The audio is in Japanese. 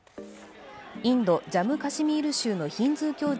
インド、ジャム・カシミール州のヒンズー教